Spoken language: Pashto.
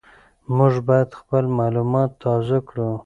موږ باید خپل معلومات تازه کړو.